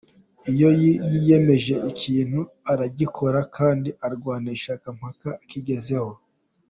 Iyo yiyemeje ikintu aragikora kandi arwana ishyaka mpaka akigezeho.